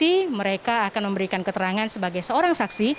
dan di sisi lainnya mereka akan memberikan keterangan sebagai seorang saksi